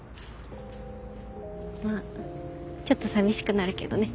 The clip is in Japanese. まあちょっと寂しくなるけどね。